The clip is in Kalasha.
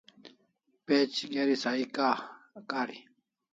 Page geri sahi kari